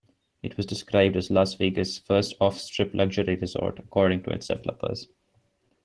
It was described as Las Vegas' first off-Strip luxury resort, according to its developers.